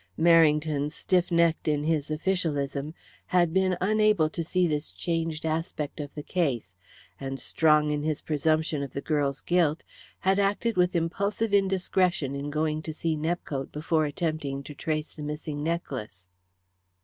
Merrington, stiff necked in his officialism, had been unable to see this changed aspect of the case, and, strong in his presumption of the girl's guilt, had acted with impulsive indiscretion in going to see Nepcote before attempting to trace the missing necklace.